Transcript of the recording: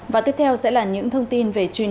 và tiếp theo sẽ là những thông tin về truy nã tội phạm